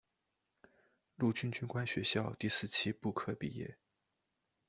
陆军军官学校第四期步科毕业。